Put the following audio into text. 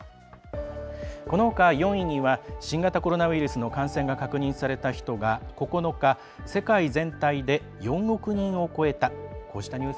このほか４位には新型コロナウイルスの感染が確認された人が９日、世界全体で４億人を超えた。